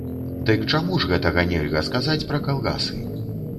Дык чаму ж гэтага нельга сказаць пра калгасы?